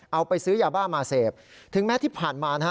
เอาไปซื้อยาบ้ามาเสพถึงแม้ที่ผ่านมานะฮะ